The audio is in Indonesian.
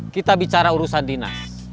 kita bicara urusan dinas